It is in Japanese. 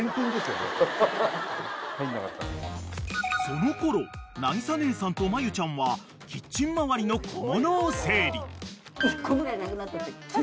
［そのころなぎさ姉さんと真由ちゃんはキッチン回りの小物を整理］